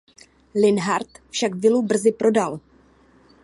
Linhart však vilu brzy prodal.